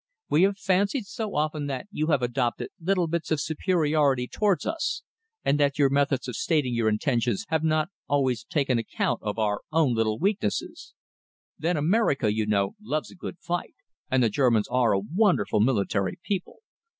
We have fancied so often that you have adopted little airs of superiority towards us, and that your methods of stating your intentions have not always taken account of our own little weaknesses. Then America, you know, loves a good fight, and the Germans are a wonderful military people.